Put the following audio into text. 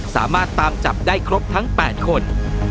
สามารถตามจับได้ครบทั้ง๘คน